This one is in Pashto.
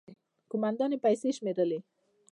، کومندان يې پيسې شمېرلې.